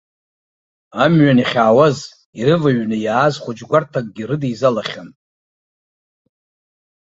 Амҩан иахьаауаз ирываҩны иааз хәыҷ гәарҭакгьы рыдеизалахьан.